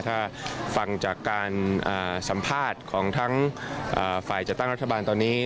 ถ้าฟังจากการสัมภาษณ์ของทั้งฝ่ายจัดตั้งรัฐบาลตอนนี้